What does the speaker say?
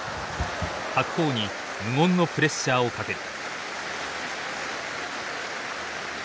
白鵬に無言のプレッシャーをかける。